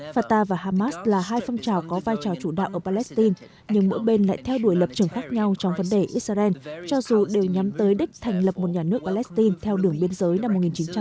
fatar và hamas là hai phong trào có vai trò chủ đạo ở palestine nhưng mỗi bên lại theo đuổi lập trường khác nhau trong vấn đề israel cho dù đều nhắm tới đích thành lập một nhà nước palestine theo đường biên giới năm một nghìn chín trăm bảy mươi